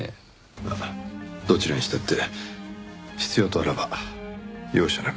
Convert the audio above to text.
まあどちらにしたって必要とあらば容赦なく消し去る。